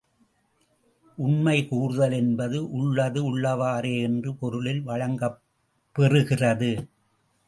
உண்மை கூறுதல் என்பது உள்ளது உள்ளவாறே என்ற பொருளில் வழங்கப் பெறுகிறது.